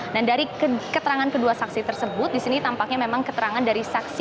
dan dari keterangan kedua saksi tersebut disini tampaknya memang keterangan dari saksi